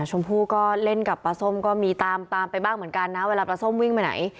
ชมพู่ก็เล่นกับปลาส้มก็มีตามตามไปบ้างเหมือนกันนะเวลาปลาส้มวิ่งไปไหน